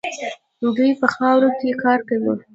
دوی په خاورو کې کار کوي.